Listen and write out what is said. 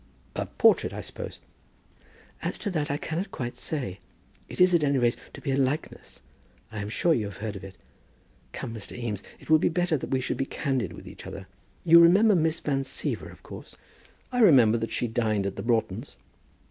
"A portrait, I suppose?" "As to that I cannot quite say. It is at any rate to be a likeness. I am sure you have heard of it. Come, Mr. Eames; it would be better that we should be candid with each other. You remember Miss Van Siever, of course?" "I remember that she dined at the Broughtons'."